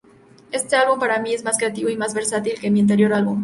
Este álbum para mí es más creativo y más versátil que mi anterior álbum.